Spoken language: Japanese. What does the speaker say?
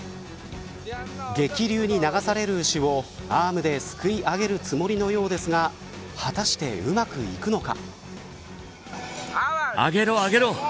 激流に流される牛をアームですくい上げるつもりのようですが果たして、うまくいくのか。